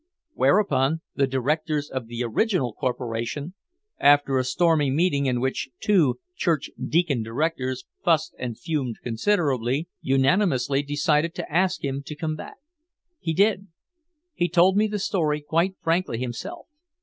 whereupon the directors of the original corporation, after a stormy meeting in which two church deacon directors fussed and fumed considerably, unanimously decided to ask him to come back. He did. He told me the story quite frankly himself.